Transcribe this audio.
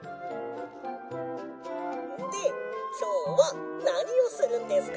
「できょうはなにをするんですか？」。